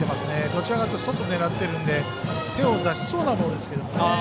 どちらかというと外を狙っているので手を出しそうなボールですけどね。